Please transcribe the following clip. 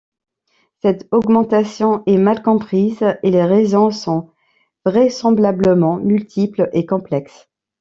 Cette augmentation est mal comprise et les raisons sont vraisemblablement multiples et complexes.